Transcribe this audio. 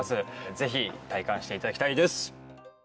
ぜひ体感していただきたいです